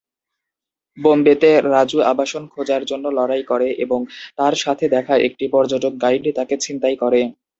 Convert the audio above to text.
বোম্বেতে, রাজু আবাসন খোঁজার জন্য লড়াই করে, এবং তার সাথে দেখা একটি পর্যটক গাইড তাকে ছিনতাই করে।